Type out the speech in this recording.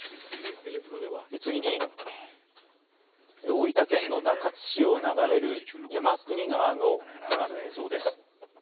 次に大分県の中津市を流れる山国川の今の映像です。